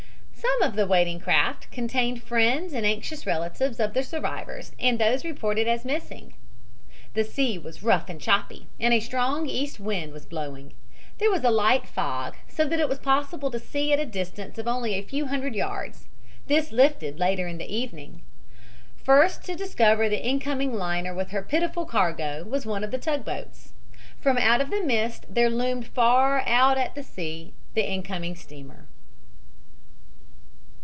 Some of the waiting craft contained friends and anxious relatives of the survivors and those reported as missing. The sea was rough and choppy, and a strong east wind was blowing. There was a light fog, so that it was possible to see at a distance of only a few hundred yards. This lifted later in the evening. First to discover the incoming liner with her pitiful cargo was one of the tugboats. From out of the mist there loomed far out at sea the incoming steamer.